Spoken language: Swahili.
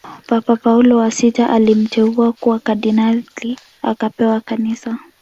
Papa Paulo wa sita alimteua kuwa kardinali akapewa kanisa